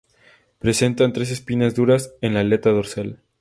Presentan tres espinas duras en la aleta dorsal.